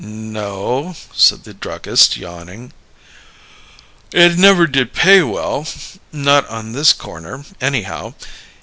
"No," said the druggist, yawning. "It never did pay well not on this corner, anyhow.